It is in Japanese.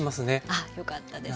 あっよかったです。